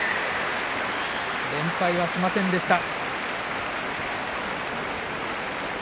連敗はしませんでした。